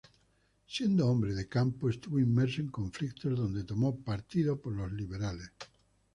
Siendo hombre de campo estuvo inmerso en conflictos donde tomó partido por los liberales.